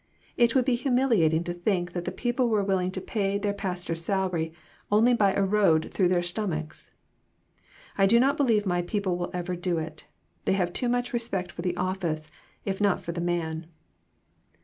It would be humiliating to think that the people were willing to pay their pastor's salary only by a road through their stomachs. I do not believe my people will ever do it ; they have too much respect for the office, if not for the man."